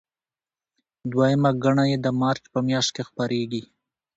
دویمه ګڼه یې د مارچ په میاشت کې خپریږي.